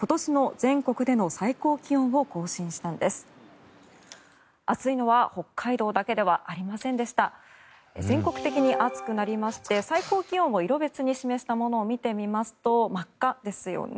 全国的に暑くなりまして最高気温を色別に示したものを見てみますと真っ赤ですよね。